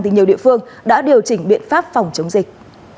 thì nhiều địa phương đã điều chỉnh biện pháp phòng chống dịch